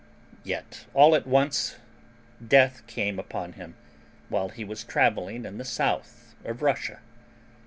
Yet all at once death came upon him while he was traveling in the south of Russia.